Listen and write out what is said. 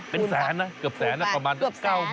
เป็นแสนนะเกือบแสนนะประมาณ๙๐๐